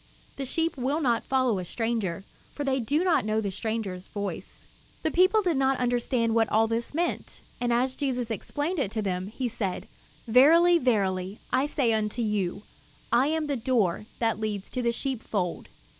The sheep will not follow a stranger, for they do not know the stranger's voice." The people did not understand what all this meant, and as Jesus explained it to them, he said: "Verily, verily, I say unto you, I am the door that leads to the sheepfold.